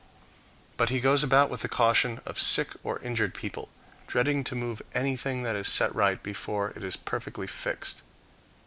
But he goes about with the caution of sick or injured people, dreading to move anything that is set right, before it is perfectly fixed.